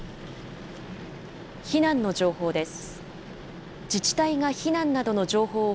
避難の情報です。